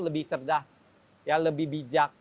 lebih cerdas lebih bijak